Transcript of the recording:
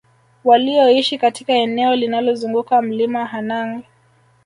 walioishi katika eneo linalozunguka Mlima Hanang